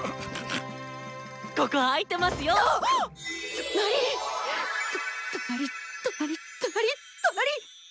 となりとなりとなりとなりとなり！